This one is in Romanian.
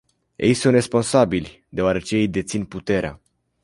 Ei sunt responsabili, deoarece ei dețin puterea.